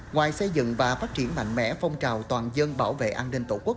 ngoài xây dựng và phát triển mạnh mẽ phong trào toàn dân bảo vệ an ninh tổ quốc